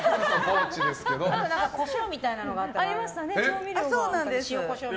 塩、コショウみたいなのがあったね。